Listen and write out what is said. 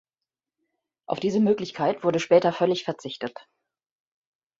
Auf diese Möglichkeit wurde später völlig verzichtet.